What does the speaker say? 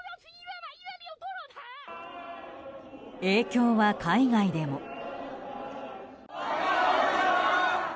影響は海外でも。